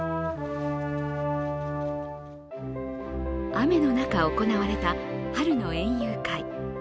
雨の中、行われた春の園遊会。